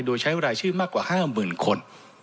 โดยใช้รายชื่อมากกว่า๕๐๐๐คน